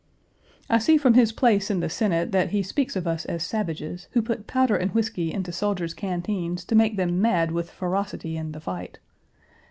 I see from his place in the Senate that he speaks of us as savages, who put powder and whisky into soldiers' canteens to make them mad with ferocity in the fight.